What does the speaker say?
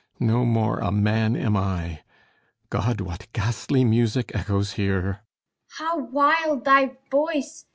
No more a man am I. God what ghastly music echoes here! LEADER How wild thy voice!